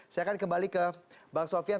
saya akan kembali ke bang sofian